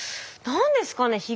何ですかね？